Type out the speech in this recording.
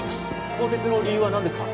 更迭の理由は何ですか？